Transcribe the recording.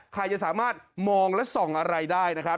ใครจะสามารถมองและส่องอะไรได้นะครับ